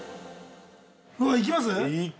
◆うわっ、行きます？